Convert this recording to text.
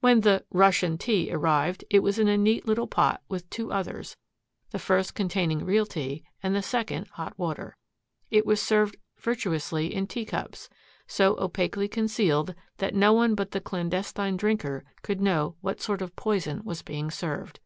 When the "Russian tea" arrived it was in a neat little pot with two others, the first containing real tea and the second hot water. It was served virtuously in tea cups, so opaquely concealed that no one but the clandestine drinker could know what sort of poison was being served.